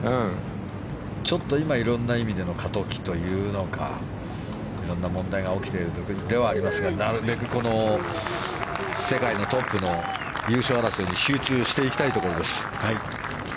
今、いろんな意味でのちょっと、過渡期というのかいろんな問題が起きている時ではありますがなるべく世界のトップの優勝争いに集中していきたいと思います。